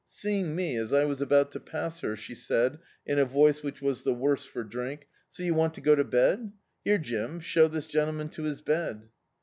Seeing me, as I was about to pass her, she said, in a voice which was the worse for drink — "So you want to go to bed¥ Here, Jim, show this gentleman to his bed."